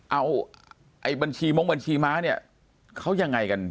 เอาไอ้บัญชีมงบัญชีม้าเนี่ยเขายังไงกัน